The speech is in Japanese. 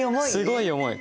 すごい重い！